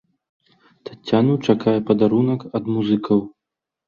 Таццяну чакае падарунак ад музыкаў.